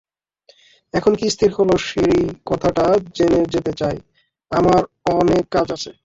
এখন কী স্থির হল সেই কথাটা জেনে যেতে চাই– আমার অনেক কাজ আছে।